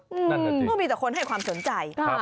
นั่นแหละจริงก็มีแต่คนให้ความสนใจ